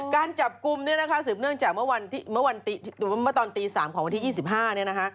การจับกุมเนี่ยสถิบตาจากเมื่อวันตอนตี๓ของวันที่๒๕